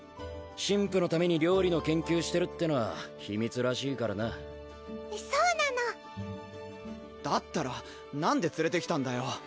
神父のために料理の研究してるってのは秘密らしいからなそうなのだったら何で連れてきたんだよ